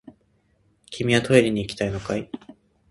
君はトイレに行きたいのかい？